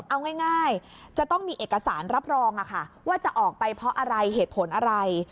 เอาง่ายจะต้องมีเอกสารรับรองว่าจะออกไปเพราะอะไรเหตุผลอะไร